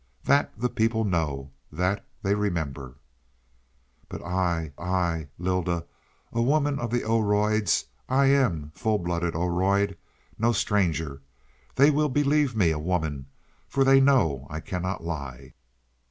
That the people know that they remember. "But I I Lylda a woman of the Oroids I am full blooded Oroid, no stranger. And they will believe me a woman for they know I cannot lie.